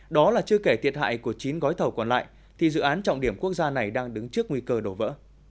đó là chưa kể thiệt hại của chín gói thầu còn lại thì dự án trọng điểm quốc gia này đang đứng trước nguy cơ đổ vỡ